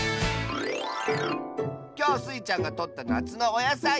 きょうスイちゃんがとったなつのおやさい。